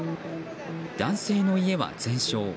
男性の家は全焼。